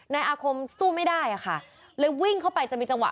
นายอาคมสู้ไม่ได้อะค่ะเลยวิ่งเข้าไปจะมีจังหว